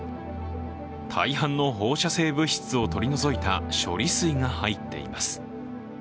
大半の放射性物質を取り除いた処理水が入っています。